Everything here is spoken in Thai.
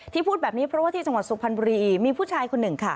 พูดแบบนี้เพราะว่าที่จังหวัดสุพรรณบุรีมีผู้ชายคนหนึ่งค่ะ